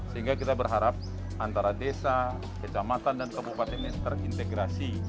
sehingga kita berharap antara desa kecamatan dan kabupaten ini terintegrasi